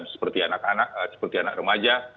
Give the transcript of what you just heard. seperti anak anak seperti anak remaja